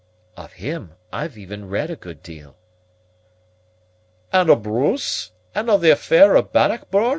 "Of him I've even read a good deal." "And o' Bruce, and the affair of Bannockburn?"